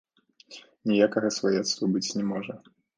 Ніякага сваяцтва быць не можа.